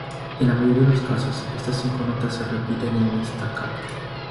En la mayoría de los casos, estas cinco notas se repiten en staccato.